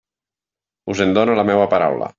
Us en dono la meva paraula.